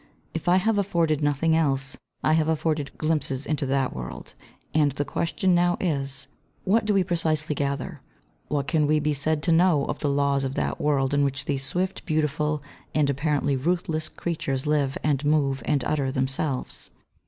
If I have afforded nothing else I have afforded glimpses into that world; and the question now is, What do we precisely gather, what can we be said to know of the laws of that world in which these swift, beautiful and apparently ruthless creatures live and move and utter themselves?